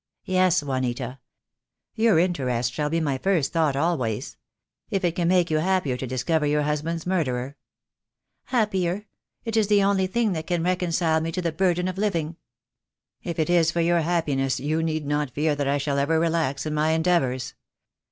"Yes, Juanita. Your interest shall be my first thought always. If it can make you happier to discover your hus band's murderer " "Happier! It is the only thing that can reconcile me to the burden of living." "If it is for your happiness, you need not fear that I shall ever relax in my endeavours.